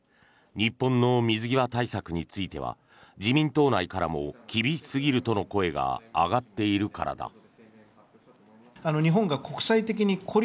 日本の水際対策については自民党内からも厳しすぎるとの声が上がっているからだ。